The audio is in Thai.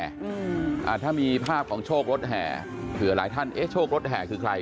อ่าถ้ามีภาพของโชครถแห่เผื่อหลายท่านเอ๊ะโชครถแห่คือใคร